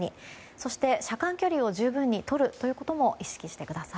そして、車間距離を十分にとるということも意識してください。